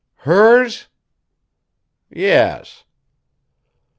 "Hers?" "Yes."